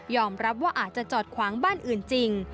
รับว่าอาจจะจอดขวางบ้านอื่นจริง